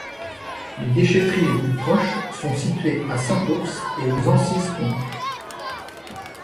Les déchèteries les plus proches sont situées à Saint-Ours et aux Ancizes-Comps.